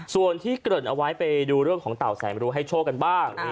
ส่วนที่เราไปดูเรื่องของเตาแสงรูให้โชคกันบ้าง